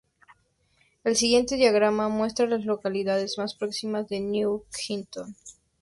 El siguiente diagrama muestra a las localidades más próximas a Newington.